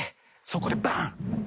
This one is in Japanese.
そこでバン！